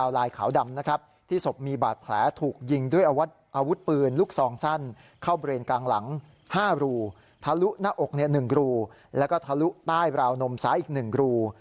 แล้วก็ทะลุใต้ราวนมสายอีกหนึ่งกรู